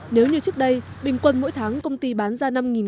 nếu như trước đây bình quân mỗi tháng công ty bán ra năm con lợn giống